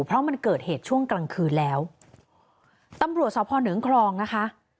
เพราะมันเกิดเหตุช่วงกลางคืนแล้วตำรวจสพเหนืองครองนะคะ